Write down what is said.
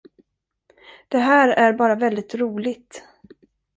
Det här är bara väldigt roligt.